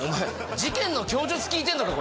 事件の供述きいてんのか？